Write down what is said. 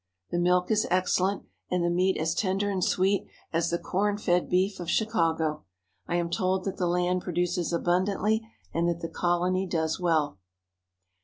The milk is excellent, and the meat as tender and sweet as the corn fed beef of Chicago. I am told that the land produces abundantly and that the colony does well.